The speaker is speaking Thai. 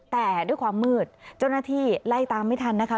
แต่ด้วยความมืดเจ้าหน้าที่ไล่ตามไม่ทันนะคะ